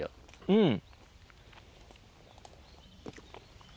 うん。